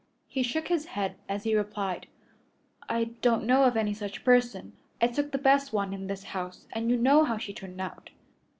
He shook his head as he replied, "I don't know of any such person. I took the best one in this house, and you know how she turned out."